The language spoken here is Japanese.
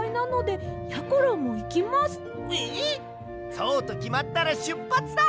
そうときまったらしゅっぱつだ！